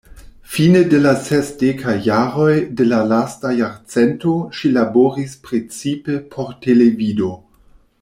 Fine de la sesdekaj jaroj de la lasta jarcento ŝi laboris precipe por televido.